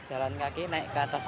jalan kaki naik ke atas